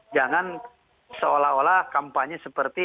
jangan seolah olah kampanye seperti